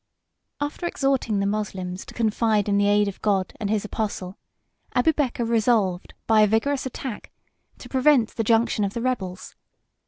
After exhorting the Moslems to confide in the aid of God and his apostle, Abubeker resolved, by a vigorous attack, to prevent the junction of the rebels.